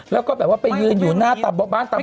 แล้วก็แบบว่าไปยืนอยู่หน้าบ้านตาม